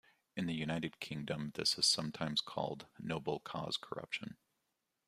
In the United Kingdom, this is sometimes called 'Noble Cause Corruption'.